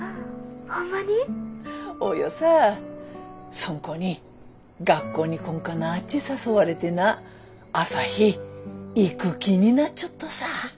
そん子に学校に来んかなっち誘われてな朝陽行く気になっちょっとさ。